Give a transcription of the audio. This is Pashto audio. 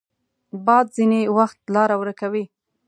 باد ځینې وخت لاره ورکوي